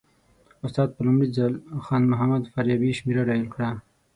استاد په لومړي ځل خان محمد فاریابي شمېره ډایل کړه.